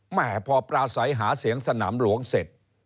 แม่พอปราศัยหาเสียงสนามหลวงเสร็จ